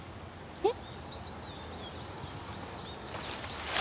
えっ？